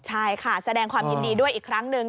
ใช่ค่ะแสดงความยินดีด้วยอีกครั้งหนึ่ง